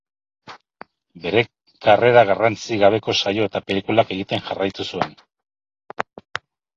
Bere karrera garrantzi gabeko saio eta pelikulak egiten jarraitu zuen.